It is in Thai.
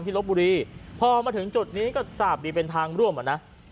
ลบบุรีพอมาถึงจุดนี้ก็ทราบดีเป็นทางร่วมอ่ะนะ